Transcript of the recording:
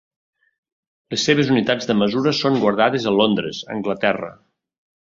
Les seves unitats de mesura són guardades a Londres, Anglaterra.